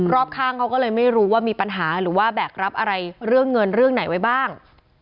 รอบข้างเขาก็เลยไม่รู้ว่ามีปัญหาหรือว่าแบกรับอะไรเรื่องเงินเรื่องไหนไว้บ้าง